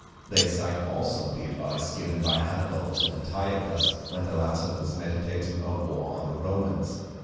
They cite also the advice given by Hannibal to Antiochus, when the latter was meditating a war on the Romans.